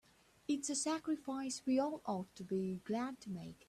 It's a sacrifice we all ought to be glad to make.